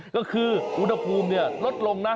ก็คืออุณหภูมิลดลงนะ